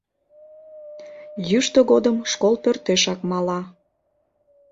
Йӱштӧ годым школ пӧртешак мала.